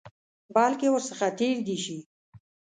بلکې ورڅخه تېر دي شي.